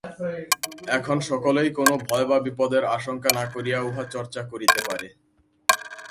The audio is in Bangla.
এখন সকলেই কোন ভয় বা বিপদের আশঙ্কা না করিয়া উহা চর্চা করিতে পারে।